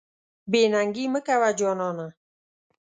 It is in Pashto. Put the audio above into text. بې ننګي مه کوه جانانه.